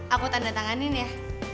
aku tanda tanganin ya